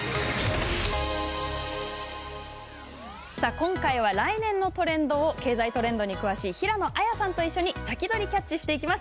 今回は来年のトレンドを経済トレンドに詳しい平野亜矢さんと一緒に先取りキャッチしていきます。